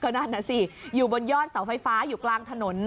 นั่นน่ะสิอยู่บนยอดเสาไฟฟ้าอยู่กลางถนน